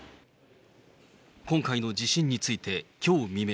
今回の地震について、きょう未明、